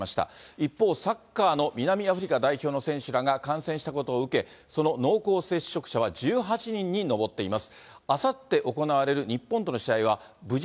一方、サッカーの南アフリカ代表の選手らが感染したことを受け、その濃厚接触者は１８人に上っています。